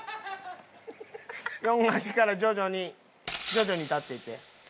四足から徐々に徐々に立っていって。